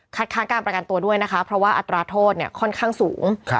ค้างการประกันตัวด้วยนะคะเพราะว่าอัตราโทษเนี่ยค่อนข้างสูง